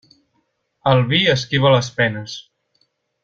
El vi esquiva les penes.